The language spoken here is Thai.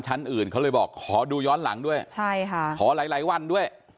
ชั้นอื่นเขาเลยบอกขอดูย้อนหลังด้วยขอหลายวันด้วย